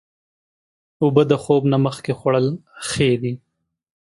اوبه د خوب نه مخکې خوړل ښې دي.